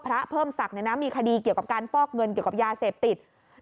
พระเพิ่มศักดิ์มีคดีเกี่ยวกับการฟอกเงินเกี่ยวกับยาเสพติด